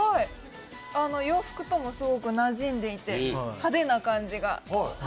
洋服ともすごくなじんでいて派手な感じが。